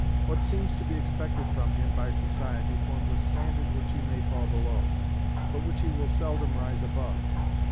What seems to be expected from him by society forms a standard which he may fall below, but which he will seldom rise above.